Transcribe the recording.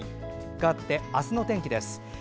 かわって、明日の天気です。